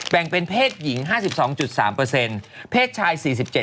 แบ่งเป็นเพศหญิง๕๒๓เพศชาย๔๗